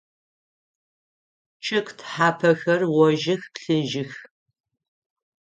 Чъыг тхьапэхэр гъожьых, плъыжьых.